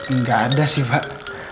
enggak ada sih pak